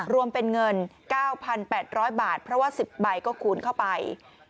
รวมเป็นเงิน๙๘๐๐บาทเพราะว่า๑๐ใบก็คูณเข้าไป